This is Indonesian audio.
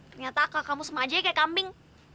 ternyata kak kamu semuajanya kayak kambing